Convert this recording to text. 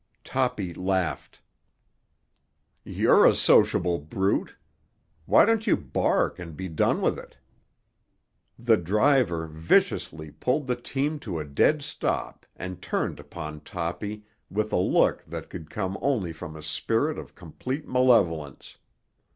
Toppy laughed. "You're a sociable brute! Why don't you bark and be done with it?" The driver viciously pulled the team to a dead stop and turned upon Toppy with a look that could come only from a spirit of complete malevolence.